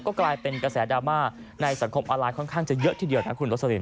ก็กลายเป็นกระแสดราม่าในสังคมออนไลน์ค่อนข้างจะเยอะทีเดียวนะคุณโรสลิน